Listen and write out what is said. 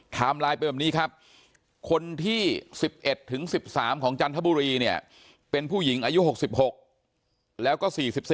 ไลน์เป็นแบบนี้ครับคนที่๑๑ถึง๑๓ของจันทบุรีเนี่ยเป็นผู้หญิงอายุ๖๖แล้วก็๔๔